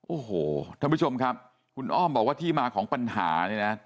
โอ้โหท่านผู้ชมครับคุณอ้อมบอกว่าที่มาของปัญหาเนี่ยนะ